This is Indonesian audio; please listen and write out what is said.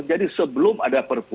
jadi sebelum ada perpu